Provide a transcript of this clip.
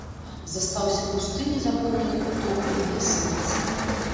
Застаўся пусты незапоўнены куток у яе сэрцы.